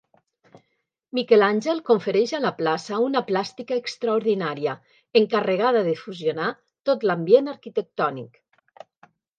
Miquel Àngel confereix a la plaça una plàstica extraordinària, encarregada de fusionar tot l'ambient arquitectònic.